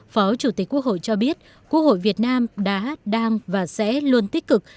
phó chủ tịch quốc hội cho biết quốc hội việt nam đã đang và sẽ luôn tích cực